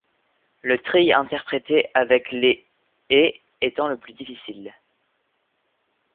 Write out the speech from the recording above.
Le trille interprété avec les et étant le plus difficile.